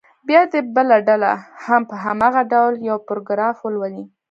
بیا دې بله ډله هم په هماغه ډول یو پاراګراف ولولي.